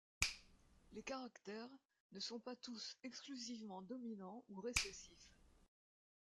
Les caractères ne sont pas tous exclusivement dominants ou récessifs.